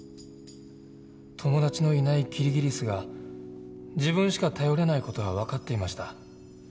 友達のいないキリギリスが自分しか頼れない事は分かっていました。